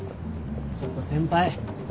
ちょっと先輩。